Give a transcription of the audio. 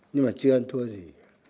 nhưng mà chưa ăn thua gì